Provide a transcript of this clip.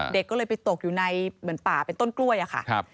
เด็กก็เลยไปตกอยู่ในเหมือนป่าเป็นต้นกล้วยอะค่ะ